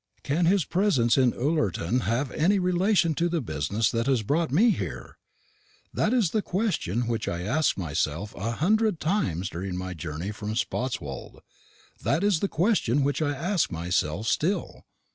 Can his presence in Ullerton have any relation to the business that has brought me here? That is the question which I asked myself a hundred times during my journey from Spotswold; that is the question which I ask myself still.